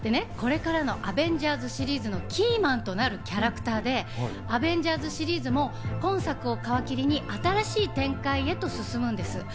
でね、これからの『アベンジャーズ』シリーズのキーマンとなるキャラクターで、『アベンジャーズ』シリーズも今作を皮切りに新しい展開へと進むんです。